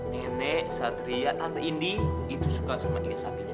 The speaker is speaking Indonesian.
nenek satria tante indi itu suka sama dengan sapinya